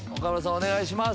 お願いします。